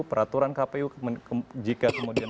peraturan kpu jika kemudian